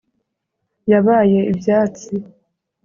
Yabaye ibyatsi